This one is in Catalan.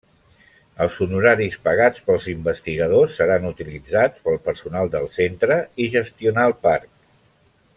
Els honoraris pagats pels investigadors seran utilitzats pel personal del centre i gestionar el parc.